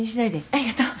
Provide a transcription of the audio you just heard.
ありがとう。